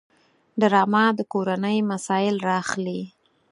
ډرامه د کورنۍ مسایل راخلي